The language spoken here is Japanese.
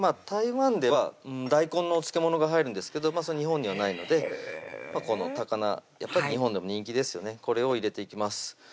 台湾では大根のお漬物が入るんですけど日本にはないのでこの高菜やっぱり日本でも人気ですよねこれを入れていきます